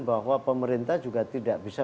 bahwa pemerintah juga tidak bisa